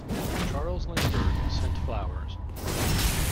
Charles Lindbergh sent flowers.